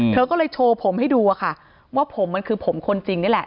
เธอก็เลยโชว์ผมให้ดูอะค่ะว่าผมมันคือผมคนจริงนี่แหละ